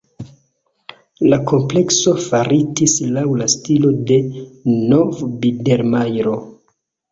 La komplekso faritis laŭ la stilo de nov-bidermajro.